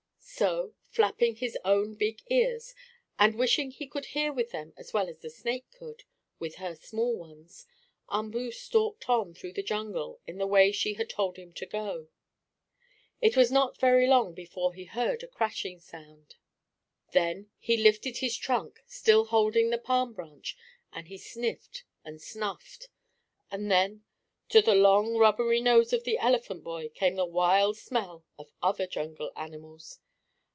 So, flapping his own big ears, and wishing he could hear with them as well as the snake could with her small ones, Umboo stalked on through the jungle in the way she had told him to go. It was not very long before he heard a crashing sound. Then he lifted his trunk, still holding the palm branch, and he sniffed and snuffed. And then, to the long, rubbery nose of the elephant boy, came the wild smell of other jungle animals.